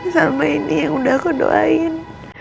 sama ini yang udah aku doain